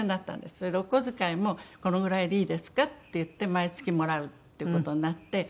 それでお小遣いも「このぐらいでいいですか？」って言って毎月もらうっていう事になって。